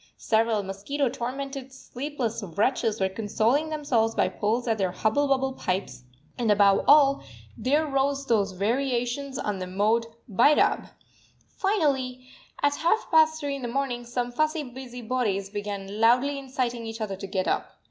Several mosquito tormented, sleepless wretches were consoling themselves by pulls at their hubble bubble pipes; and above all, there rose those variations on the mode Bhairab! Finally, at half past three in the morning, some fussy busy bodies began loudly inciting each other to get up.